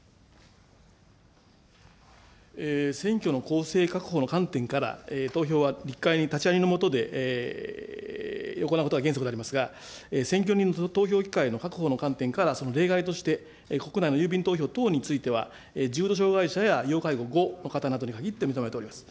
選挙の公正確保の観点から、投票は立ち会いの下で行うことは原則でありますが、選挙人の投票機会の確保の観点から、その例外として、国内の郵便投票等については、重度障害者や要介護５の方などに限って認めております。